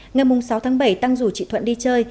ngày sáu tháng bảy tăng rủ chị thuận đi chơi